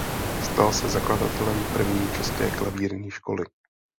Stal se zakladatelem první české klavírní školy.